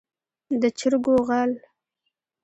د چرګو غل.